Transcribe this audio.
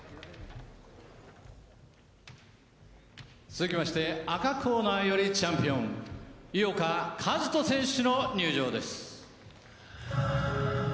続きまして、赤コーナーよりチャンピオン、井岡一翔選手の入場です。